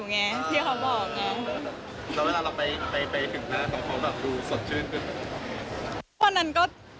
วันนั้นก็